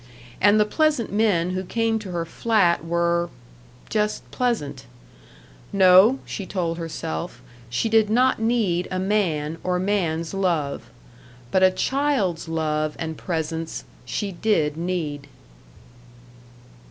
And the pleasant men who came to her flat were just pleasant. No, she told herself, she did not need a man or man's love. But a child's love and presence she did need.